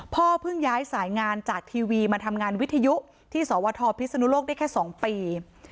พ่อเพิ่งย้ายสายงานจากทีวีมาทำงานวิทยุที่สวทพิศนุโลกได้แค่๒ปี